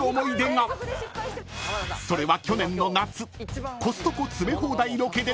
［それは去年の夏］